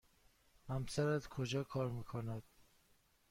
همسرت کجا کار می کند؟